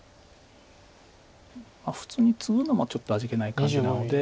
普通にツグのもちょっと味気ない感じなので。